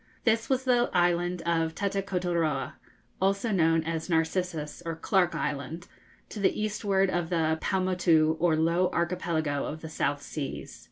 This was the island of Tatakotoroa also known as Narcissus, or Clarke Island to the eastward of the Paumotu or Low Archipelago of the South Seas.